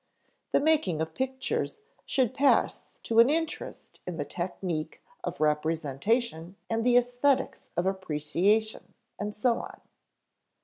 The making of pictures should pass to an interest in the technique of representation and the æsthetics of appreciation, and so on.